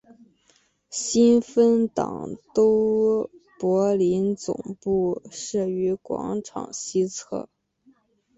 新芬党都柏林总部设于广场西侧。